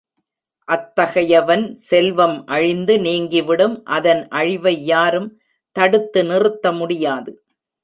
அத்தகையவன் செல்வம் அழிந்து நீங்கிவிடும் அதன் அழிவை யாரும் தடுத்து நிறுத்த முடியாது.